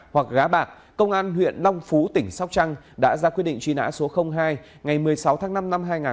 hoặc gá bạc công an huyện long phú tỉnh sóc trăng đã ra quyết định truy nã số hai ngày một mươi sáu tháng năm năm hai nghìn một mươi ba